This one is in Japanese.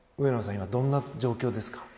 今、どんな状況ですか？